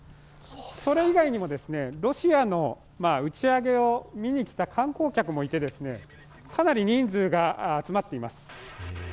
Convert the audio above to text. それ以外にもロシアの打ち上げを見に来た観光客もいてかなり人数が集まっています。